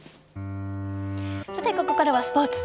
ここからはスポーツ。